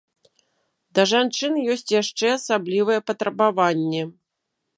Да жанчын ёсць яшчэ асаблівыя патрабаванні.